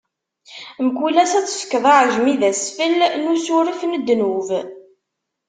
Mkul ass ad tefkeḍ aɛejmi d asfel n usuref n ddnub.